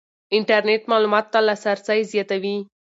انټرنېټ معلوماتو ته لاسرسی زیاتوي.